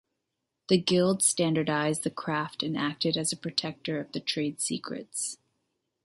The guild standardised the craft and acted as a protector of the trade secrets.